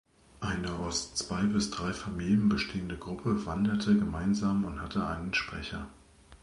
Eine aus zwei bis drei Familien bestehende Gruppe wanderte gemeinsam und hatte einen Sprecher.